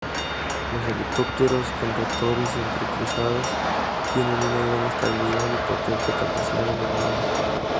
Los helicópteros con rotores entrecruzados tienen una gran estabilidad y potente capacidad elevadora.